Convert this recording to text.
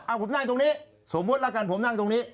ผมนั่งตรงนี้สมมุติละกันผมนั่งตรงนี้